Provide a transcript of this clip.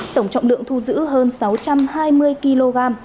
tổng trọng lượng thu giữ hơn sáu trăm hai mươi kg